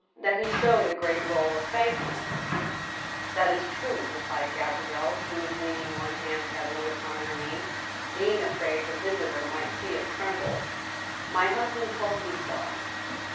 . that he showed a great roll of bank notes —"" That is true," replied Gabrielle, who was leaning one hand heavily upon her knee, being afraid her visitor might see it tremble ;" my husband told me so."